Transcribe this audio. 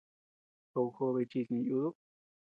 Job jobe jichis ñeʼe yuduu.